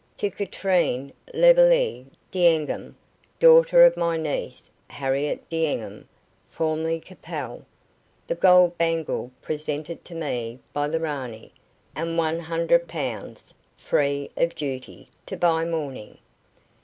"To Katrine Leveillee D'Enghien, daughter of my niece, Harriet D'Enghien, formerly Capel, the gold bangle presented to me by the Ranee, and one hundred pounds, free of duty, to buy mourning."